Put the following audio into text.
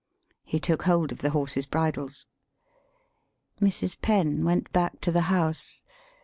He took hold of the horses' bridles. [Mrs. Penn went back to the house.